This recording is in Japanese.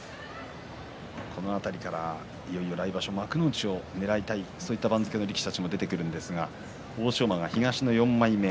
この辺りから来場所幕内をねらいたいそういった力士たちも出てくるんですが欧勝馬は東の４枚目。